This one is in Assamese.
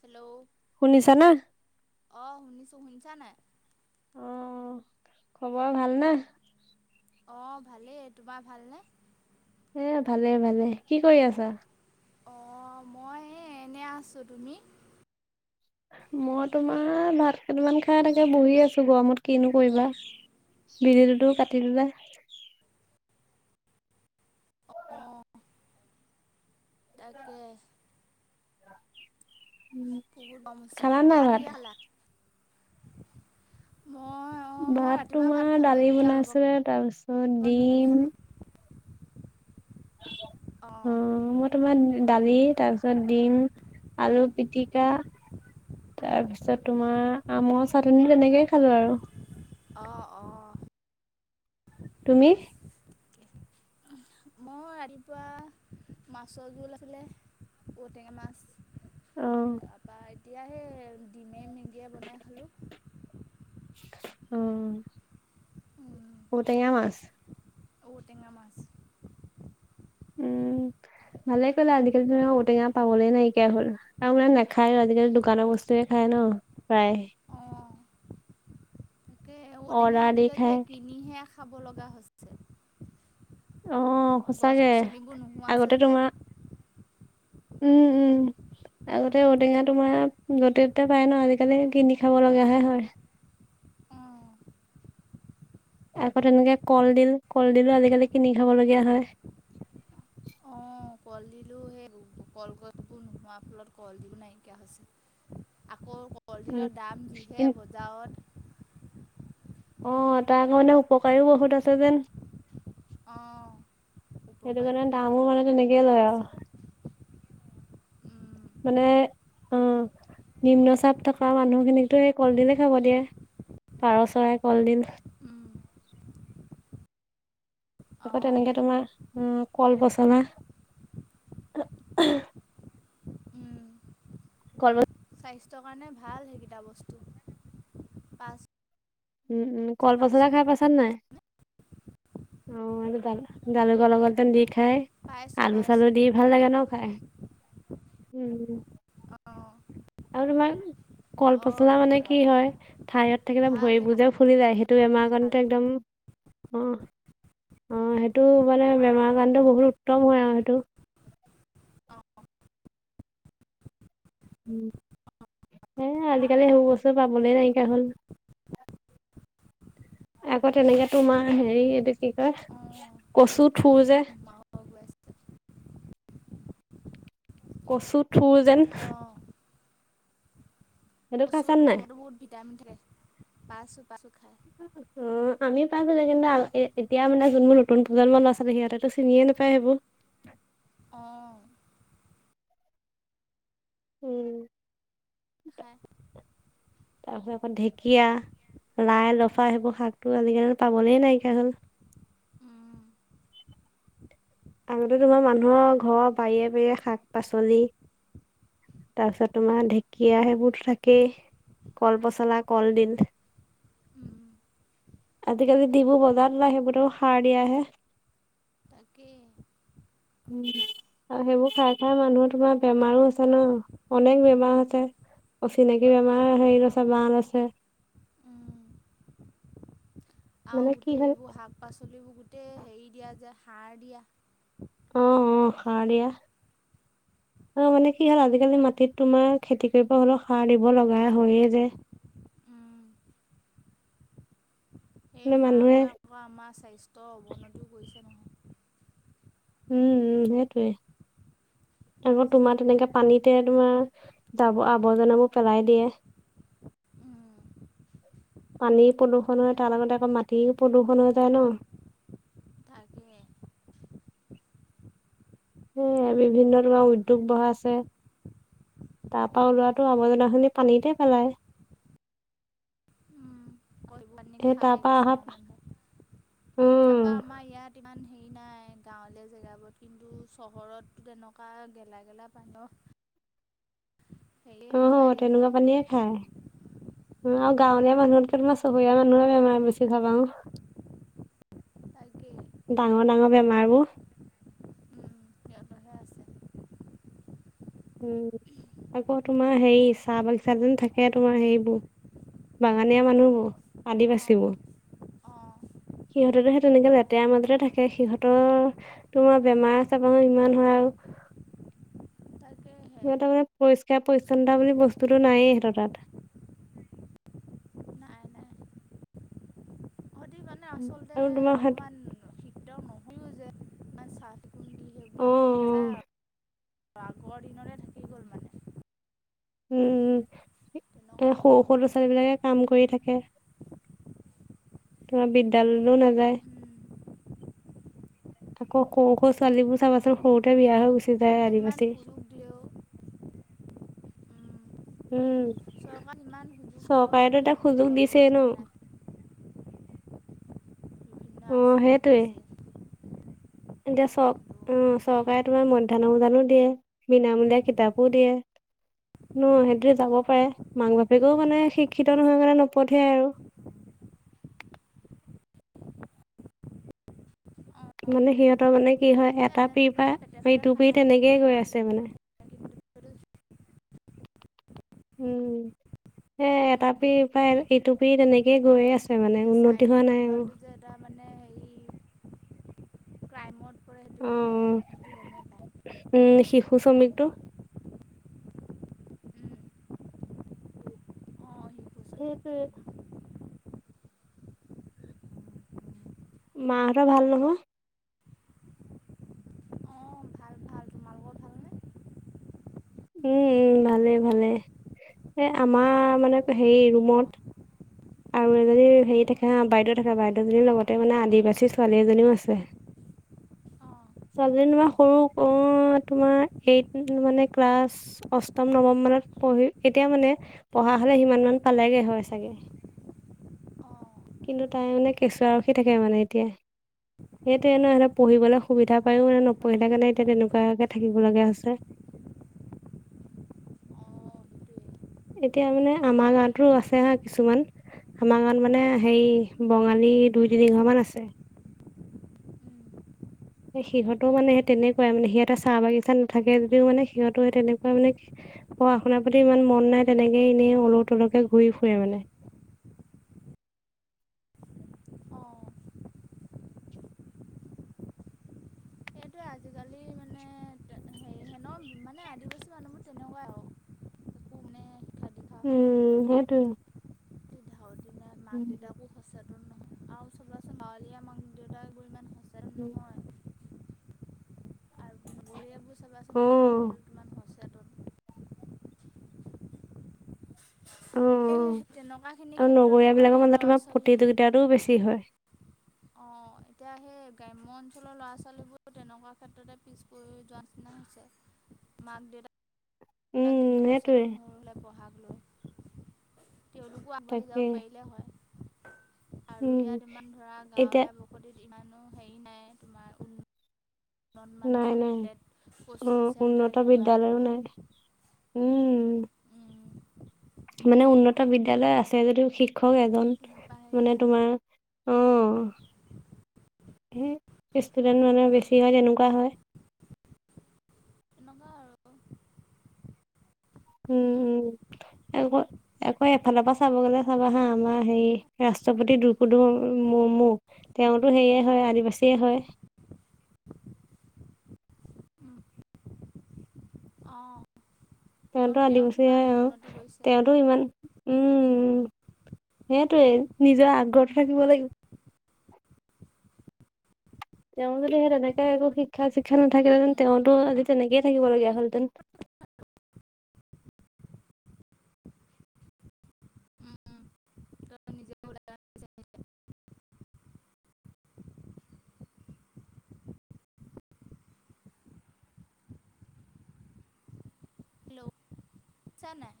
হেল্ল' শুনিছা নে শুনিছানে। নে অ', খবৰ ভাল ন অঁ ভালেই তোমাৰ ভালনে এ ভালে ভালে কি কৰি আছা অ মই এনে আছো তুমি মই তোমাৰ ভাত কেইটামান খাই তাকে বহি আছো গৰমত কিনো কৰিবা। বিলটোতো কাটি দিলে। অঁ তাকে অ- বহুত কম হৈছে ভাত কালা অঁ মই ভাত ৰাতিপুৱা ভাত তোমাৰ খালোঁ দালি এতিয়া অলপ বনাইছিলে তাৰপিছত আগত মেগী ডিম- খালোঁ অ অঁ মই তোমাৰ দালি তাৰপিছত দিম আলু পিটিকা। তাৰপিছত তোমাৰ আমৰ চাটনি তেনেকেই খালো আৰু- অ অঁ তুমি- মই ৰাতিপুৱা মাছৰ জোল আছিলে ঔটেঙা মাছ। আহ এতিয়াহে ডিমে মেগিয়ে বনাই খালোঁ। উম তে ক মাছ ঔ টেঙা মাছ। উম ভালে কলে আজিকালি ধৰ ঔটেঙা, পাবলে নাইকিয়া হ'ল আৰু মানে নাখায় আজিকালি দোকানৰ বস্তুৱে। খাই ন প্ৰায়। অঁ তাকে ঔটেঙা অৰ্ডাৰ দি আজিকালি সে খায় কিনিহে খাব লগা হৈছে। অ গছ সঁচাকে গছনিবোৰ আগতে নোহোৱাছে যে তোমাৰ উম উম। আগতে ঔটেঙা তোমাৰ য'তে ততে পায় ন আজিকালি কিনি খাব লগাহে হয়। [inaudible] অ'। তাৰপ এনেকে কলডিল কলডিলো আজিকালি কিনি খাবলগীয়া হয়। [inaudible] কল ডিলো সেই কলগছবোৰ নোহোৱাৰ ফলত কলডিল নাইকিয়া হৈছে আকৌ উম কলডিলৰ দাম কিন যিহে বজাৰত অ তাৰ মানে উপকাৰীও বহুত আছে যেন অ' সেইটো উপকাৰী কাৰণে গুণো ডাঙৰ মানে তেনেকি দিয়ে লয় আও আছে উম, মানে অ নিম্ন চাপ থকা মানুহখিনিকো সেই কলডিলে খাব দিয়ে। পাৰ চৰাই কলদিল। উম, আকৌ অ'। তেনেকে তোমাৰ কল পচলা উম, কৰ্ম স্বাস্থ্যৰ কাৰণে ভাল সেইকেইটা বস্তু প উম উম কল পচলা খাই পাইছা নে নাই অ এই জালু গল গলতে দি খাই পাইছোঁ আলু চালু পাইছোঁ দি ভাল লাগে ন খাই উম অ' আৰু তোমাৰ কল অ' পচলা ভাল মানে লাগে কি হয় ঠাইত থাকিলে ভাল পাচলি ভৰিবোজেও ফুলি যায় স দুই কাৰণে এমাহ ভাল খনতে একদম অ অ সেইটো মানে বেমাৰ কাৰণত বহুত উত্তম হয় আৰু সেইটো [inaudible] উ হ আজিকালি সেবোৰ চব পাবলৈ নাইকিয়া হ'ল। [inaudible] আকৌ তেনেকে তোমাৰ হেৰি এইটো কি কয় অ' কচু থো আজিকালি যে [inaudible] নোহোৱা হৈ গৈ আছে। কচু ঠুৰ যেন অ', সেইটো কচু খাইছা নাই বহুত ভিটামিন থাকে পাইছো প খাই অ অ আমি পাই গো কিন্তু এতিয়া মানে যোন মোৰ নতুন প্ৰজন্ম ল'ৰা ছোৱলী সিহতেতো চিনিয়ে নাপায় সেইবোৰ হয় আহ উম হয় তাৰপিছত আকৌ ঢেকীয়া লাই লফা উম, সেইবোৰ শাকটো আজিকালি পাবলে নাইকিয়া হ'ল উম, আগতে তোমাৰ মানুহৰ ঘৰৰ বাৰিয়ে বাৰিৰে শাক পাচলি তাৰপিছত তোমাৰ ঢেকীয়া সেইবোৰো থাকেই কল পচলা কলডিল উম আজিকালি ডিবু বজাৰ ওলাই সেইবোৰও সাৰ দিয়াহে তাকে উম আৰু সেইবোৰ খাই খাই মানুহৰ তোমাৰ বেমাৰো আছে ন অনেক উম, বেমাৰ আছে অচিনাকি বেমাৰ হেৰিত আছে বান আছে উম। আৰু গোটেই এইবোৰ শাক পাচলিবোৰ গোটেই হেৰি দিয়া যে সাৰ দিয়া আহ অ সাৰ থাকিলেও দিয়া অ মানে কি হ'ল আজিকালি মাটিত তোমাৰ খেতি কৰিব হ'লেও সাৰ দিব লগা হয়ে যে [inaudible] উম, এই মানে মানুহে হাঁহবুৰে আকৌ আমাৰ স্বাস্থ্যৰ অৱনতিও কৰিছে নহয় উম উ সেইটোৱে আকৌ তোমাৰ তেনেকে পানীতে তোমাৰ আৱৰ্জনাবোৰ পেলাই দিয়ে উম, [inaudible] পানী প্ৰদূষণ হয় তাৰ লগতে আকৌ মাটি প্ৰদূষণ হৈ যায় ন তাকে [unintelligible] সেয়াই বিভিন্ন ধৰণৰ উদ্যোগ বহাইছে তাৰ পৰা ওলোৱাটো আৱৰ্জনাখিনি পানীতে পেলায় উম কৰিব পানি খায় অহা কিছুমান মানুহে উম নাইন গাঁৱলীয়া জেগাবোৰ কিন্তু চহৰতো তেনেকোৱা গেলা গেলা পানীৰ অহ তেনেকোৱা পানীয়ে খায় আৰু গাঁৱলীয়া মানুহত কে তোমাৰ চহৰীয়া মানুহৰে বেমাৰ বেছি চাবা তাকে ডাঙৰ ডাঙৰ বেমাৰবোৰ সিহঁতৰহে আছে উম আকৌ তোমাৰ হেৰি চাহ বাগিছা যেন থাকে তোমাৰ সেইবোৰ বাগানীয়া মানুহবোৰ আদি অঁ বাচিবোৰ অঁ সিহঁতেতো সেই তেনেকে লেতেৰা মাজতে থাকে সিহঁতৰ তোমাৰ বেমাৰ আজাৰ বোও ইমান হয় আৰু অহ তাকেহে সিহঁতৰ মানে পৰিষ্কাৰ পৰিচ্ছন্নতা বুলি বস্তুটো নায়েই সিহঁতৰ তাত [inaudible] নাই নাই সিহঁতি মানে উ আচলতে আৰু তোমাৰ ভা অকণমান শিক্ষিত নহয়ো যে ইমান চাফ চিকুণ দি সেইবোৰ অ অ মানে নাচায় আৰু আগৰ দিনৰে থাকি গ'ল মানে উম এ তেনেকুৱা সৰু হ'ল আৰু সৰু ল'ৰা কথাবোৰ ছোৱালী বিলাকে কাম কৰি থাকে তোমাৰ বিদ্যালয়তো নাযায় আকৌ সৰু সৰু ছোৱালীবোৰ চাবাচোন অঁ সৰুতে বিয়া হৈ গুচি যায় মানে যিমান আদিবাসী সুযোগ দিলেও ও। চৰকাৰে ইমান সুযোগ দিলেও মানে সুযোগবোৰ ল'ব জনা নাই। বিভিন্ন উম, আঁচনি সেইটোৱে। দিছে এতিয়া কিন্তু চক, একো উম, কৰিব চৰকাৰে তোমাৰ মধ্যাহ্নো ভোজনোঁ দিয়ে, বিনামূলীয়া কিতাপো দিয়ে ন'? সেইটোৱে যাব পাৰে। মাক বাপেকো মানে, শিক্ষিত নহয় কাৰণে নপঠিয়াই আৰু। [unintelligible] অঁ অঁ মানে সিহঁতৰ মানে, কি হ'য়, এটা ফ্ৰী পা যেনেদৰে পেটে ভাতে ফ্ৰীটো, খাই ফ্ৰী থাকোঁ বুলি তেনেকেই গৈ কাম আছে মানে। কৰিবলৈ পঠিয়াই কিন্তু সেইটো উম, এ এটা ফ্ৰী পাই, ইটো ফ্ৰী তেনেকেই গৈয়ে আছে মানে। যে উন্নতি চাইল্ড হোৱা নাই আৰু লেবাৰটো যে তাৰ মানে হেৰি ক্ৰাইমত তু অ, অ উম, শিশু শ্ৰমিকতো। অঁ শিশু সেইটোৱে শ্ৰমিকটো মা হঁতৰ ভাল নহয়? অঁ ভাল ভাল তোমালোকৰ ভালনে ও, উম ভালে ভালে। এ আমাৰ মানে পে হেৰি, ৰোমত আৰু এজনী হেৰি থাকে হা বাইদৌ থাকে বাইদৌজনীৰ লগতে মানে আদিবাসী ছোৱালী এজনীও আছে। অঁ ছোৱালীজনী বা সৰু অ তোমাৰ এইট মানে- ক্লাছ অষ্টম, নৱম মানত পঢ়ি এতিয়া মানে, পঢ়া হ'লে সিমান মান পালেগে হ'য় চাগে? অঁ কিন্তু তাই মানে কেঁচুৱা ৰখি থাকে মানে এতিয়া। সেইটোৱে ন'? হেঁতে পঢ়িবলে সুবিধা পাইও মানে অঁ নপঢ়িলে কাৰণে এতিয়া বাইদেউজনে লৈ তেনেকোৱাকে লৈছে থাকিব মানে অঁ লগীয়া হৈছে। সেইটোৱে এতিয়া মানে আমাৰ গাঁৱতো আছে হাঁ কিছুমান আমাৰ গাঁৱত মানে হেৰি বঙালী দুই তিনি ঘৰ মান আছে। এ সিহঁতৰ মানে সে তেনেকুৱাই মানে, সিহঁতে চাহ- বাগিচাত নাথাকে যদিও মানে, সিহঁটো সেই তেনেকুৱা মানে কি পঢ়া -শুনাৰ প্ৰতি ইমান মন নাই। তেনেকেই এনেই অলৌ- তলৌকে ঘূৰি ফুৰে মানে। [inaudible] অঁ সেইটোৱে আজিকালি মানে হেৰিহে [unintelligible] ন' মানে, আদিবাসী মানুহবোৰ তেনেকুৱাই আও। উম, সেইটোৱে। ধাউতিনা মাক দেউতাকো সচেত দেউতাকবোৰ ইমান সচেতন উম। নহয় জীয়েকবোৰ চাবাচোন পঢ়া অ', ক্ষেত্ৰত কিমান আগ এই তেনেকুৱাখিনি অঁ--আৰু ক্ষেত্ৰতো নগৰীয়া মানে বিলাকৰ মাজত ল'ৰা তোমাৰ ছোৱালী প্ৰতিযোগিতাটো বেছি হ'য়। অঁ [inaudible] এতিয়া সেই গ্ৰাম্য অঞ্চলৰ ল'ৰা -ছোৱালীবোৰো তেনেকুৱা ক্ষেত্ৰতে পিছপৰি যোৱানিচিনাহে হৈছে। মাক দেউতাক ক বিলাক উম যদি সেইটোৱে সচেতন হ'লে পঢ়া তেওঁলোকো আগবাঢ়ি তাকে যাব পাৰিলে হ'য়। আৰু উম ইয়াত ইমান, ধৰা এতিয়া গাঁৱলীয়া বসতিত ইমানো হেৰি নাই। তোমাৰ, ওঁ নাই নাই। উন্নতমানৰ লেট্‌, কোচিং অ'। উন্নত চেণ্টাৰ কিবা বিদ্যালয়ো নাই। উম। কিনি মানে, উন্নত বিদ্যালয় আছে যদিও শিক্ষক এজন। মানে পাইছ তোমাৰ অঁ সেই--ষ্টুডেন্ট মানে বেছি ভাগে এনুকা হ'য়। এনেকুৱা আৰু ওঁ, উম, ওঁ এই লোকৰ আকৌ এফালৰ পৰা চাবগলে, চাবা হাঁ আমাৰ হেৰি ৰাষ্ট্ৰপতি দ্ৰূপুদী মূৰ্মু। তেওঁটো সেৰিয়ে হ'য়। আদিবাসীয়ে হ'য়। অঁ অঁ তেওঁটো তেওঁ আদিবাসীয়ে কিমান হ'য়। উন্নতি কৰিছে তেওঁটো ইমান উম সেইটোৱে, নিজৰ আগ্ৰহ থাকিব লাগিব। তেওঁ যদি সেই তেনেকে একো শিক্ষা- চিক্ষা নাথাকিলেহেঁতেন উম, তেওঁটো আজি তেনেকেই থাকিব লগীয়া হ'লহেঁতেন। [inaudible] উম, উম, তেওঁ নিজে ওলাই আহিছে চা নাই